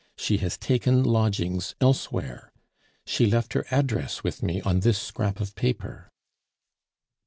"She has taken lodgings elsewhere. She left her address with me on this scrap of paper."